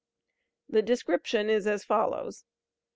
The description is as follows.